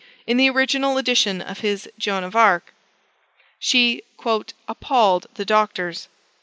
in the original edition of his "Joan of Arc") she "appall'd the doctors."